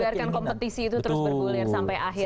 jadi dibiarkan kompetisi itu terus berbulir sampai akhir